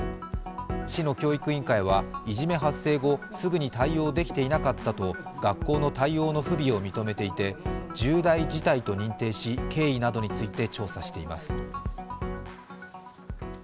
市の教育委員会はいじめ発生後すぐに対応できていなかったと学校の対応の不備を認めていて重大事態と認定し経緯などについて調査しています。